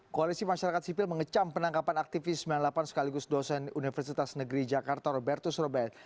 koalisi masyarakat sipil mengecam penangkapan aktivis sembilan puluh delapan sekaligus dosen universitas negeri jakarta robertus robert